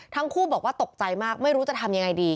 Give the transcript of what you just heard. ทั้งคู่บอกว่าตกใจมากไม่รู้จะทำยังไงดี